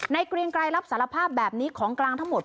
เกรียงไกรรับสารภาพแบบนี้ของกลางทั้งหมด